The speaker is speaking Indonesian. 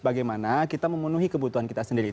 bagaimana kita memenuhi kebutuhan kita sendiri